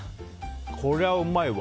こりゃうまいわ。